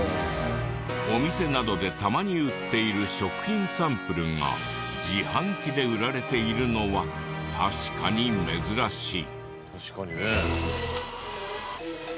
お店などでたまに売っている食品サンプルが自販機で売られているのは確かに珍しい。